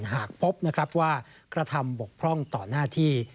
หากพบนะครับว่ากระทำบกพร่องต่อหน้าที่